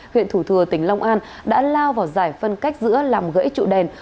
huyện thủ thừa tỉnh long an đã lao vào giải phân cách giữa làm gãy trụ đèn